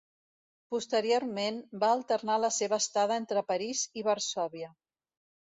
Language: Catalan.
Posteriorment va alternar la seva estada entre París i Varsòvia.